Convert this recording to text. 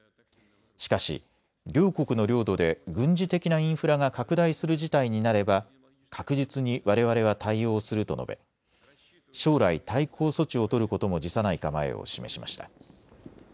しかし両国の領土で軍事的なインフラが拡大する事態になれば確実にわれわれは対応すると述べ将来、対抗措置を取ることも辞さない構えを示しました。